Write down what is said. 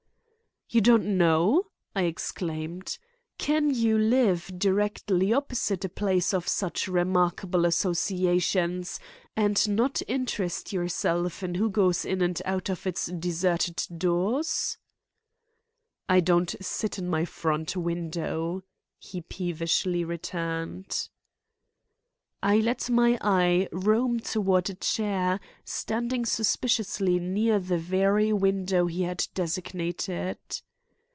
"You don't know!" I exclaimed. "Can you live directly opposite a place of such remarkable associations and not interest yourself in who goes in and out of its deserted doors?" "I don't sit in my front window," he peevishly returned. I let my eye roam toward a chair standing suspiciously near the very window he had designated.